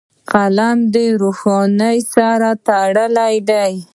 قلم له روښنايي سره تړلی دی